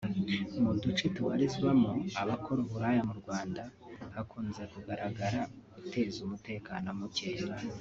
Mu duce tubarizwamo abakora uburaya mu Rwanda hakunze kugaragara guteza umutekano muke